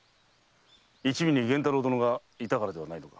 一味に玄太郎殿がいたからではないのか？